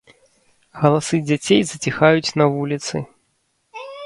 Галасы дзяцей заціхаюць на вуліцы.